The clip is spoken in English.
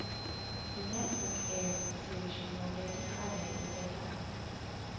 The network aired the series from Monday to Friday in the daytime.